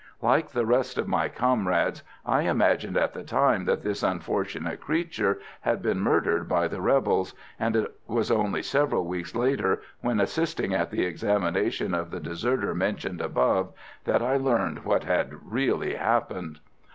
Like the rest of my comrades, I imagined at the time that this unfortunate creature had been murdered by the rebels; and it was only several weeks later, when assisting at the examination of the deserter mentioned above, that I learned what had really happened.